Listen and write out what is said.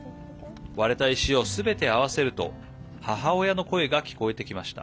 割れた石をすべて合わせると母親の声が聞こえてきました。